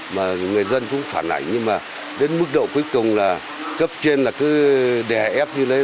mà người dân cũng phản ảnh nhưng mà đến mức độ cuối cùng là cấp trên là cứ đè ép như lấy